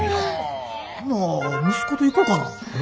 ほな息子と行こかな。